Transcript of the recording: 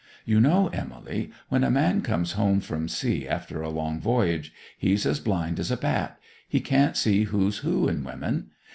You know, Emily, when a man comes home from sea after a long voyage he's as blind as a bat—he can't see who's who in women.